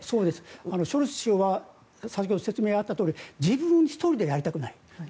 ショルツ氏は先ほど説明があったとおり自分１人でやりたくない。